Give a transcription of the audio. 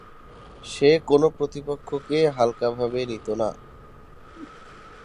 সে কোন প্রতিপক্ষকে হালকা ভাবে নিত না।